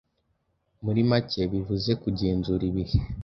Muri macye bivuze kugenzura ibihe.